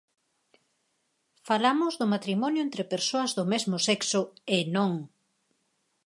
Falamos do matrimonio entre persoas do mesmo sexo e ¡non!